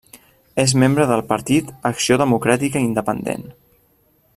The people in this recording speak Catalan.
És membre del partit Acció Democràtica Independent.